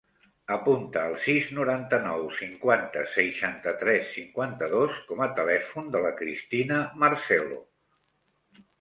Apunta el sis, noranta-nou, cinquanta, seixanta-tres, cinquanta-dos com a telèfon de la Cristina Marcelo.